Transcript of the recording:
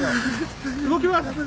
動きます。